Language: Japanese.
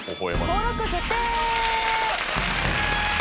登録決定！